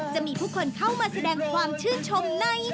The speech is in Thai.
จะมีผู้คนเข้ามาแสดงความชื่นชมใน